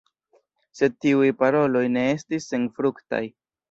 Sed tiuj paroloj ne estis senfruktaj.